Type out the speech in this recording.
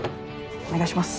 お願いします。